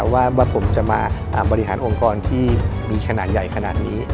ว่าผมจะมาบริหารองค์กรที่มีขนาดใหญ่ขนาดนี้